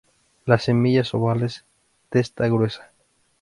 Las semillas ovales, testa gruesa.